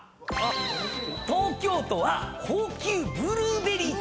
東京都は高級ブルーベリーと。